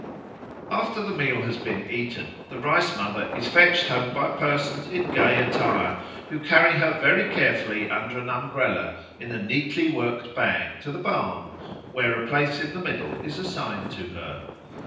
After the meal has been eaten, the Rice mother is fetched home by persons in gay attire, who carry her very carefully under an umbrella in a neatly worked bag to the barn, where a place in the middle is assigned to her.